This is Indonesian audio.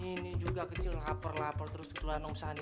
ini juga kecil lapar lapar terus ketulan om sani